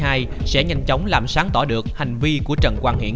sáng ngày bảy tháng một mươi hai sẽ nhanh chóng làm sáng tỏ được hành vi của trần quang hiển